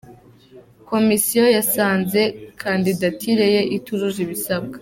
Komisiyo yasanze kanditatire ye itujuje ibisabwa.